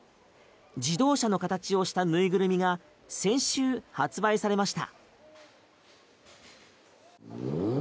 自動車の形をしたぬいぐるみが先週、発売されました。